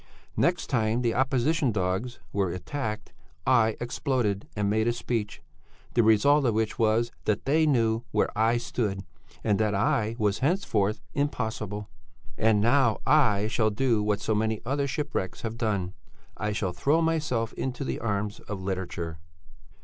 Next time the 'opposition dogs' were attacked, I exploded and made a speech, the result of which was that they knew where I stood, and that I was henceforth impossible. And now I shall do what so many other shipwrecks have done: I shall throw myself into the arms of literature."